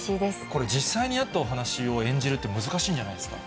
これ、実際にあったお話を演じるって、難しいんじゃないですか。